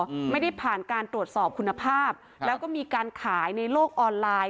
อืมไม่ได้ผ่านการตรวจสอบคุณภาพแล้วก็มีการขายในโลกออนไลน์